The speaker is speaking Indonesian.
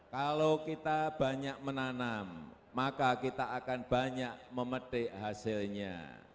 kalau kita banyak menanam maka kita akan banyak memetik hasilnya